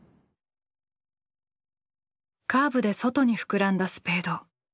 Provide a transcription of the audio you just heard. カーブで外に膨らんだスペード。